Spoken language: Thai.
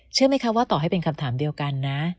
เชื่อไหมคะว่าต่อให้เป็นคำถามเดียวกันนะ